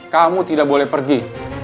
kamu tidak boleh pergi